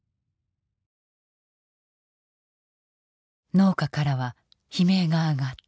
農家からは悲鳴が上がった。